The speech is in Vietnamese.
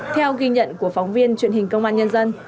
theo ghi nhận của phóng viên truyền hình công an nhân dân